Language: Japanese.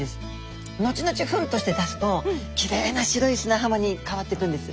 後々フンとして出すときれいな白い砂浜に変わっていくんです。